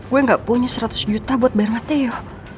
gue gak punya seratus juta buat bayar material